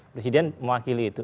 presiden mewakili itu